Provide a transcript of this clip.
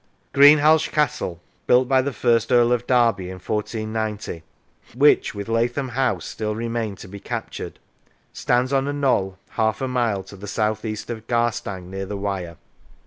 Greenhalgh Castle (built by the first Earl of Derby in 1490), which, with Lathom House, still remained to be captured, stands on a knoll half a mile to the south east of Garstang near the Wyre.